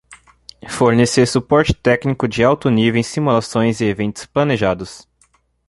Fornecer suporte técnico de alto nível em simulações e eventos planejados.